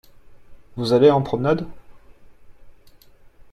Vous allez en promenade ?